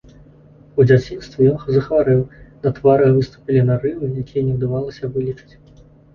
У дзяцінстве ён захварэў, на твары выступілі нарывы, якія не ўдавалася вылечыць.